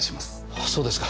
あそうですか。